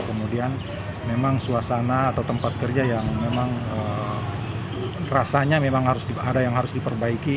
kemudian memang suasana atau tempat kerja yang memang rasanya memang ada yang harus diperbaiki